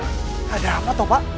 ada apa topak